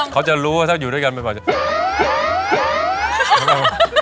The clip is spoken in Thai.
เค้าจะรู้ว่าถ้าอยู่ด้วยกันมันมันจะ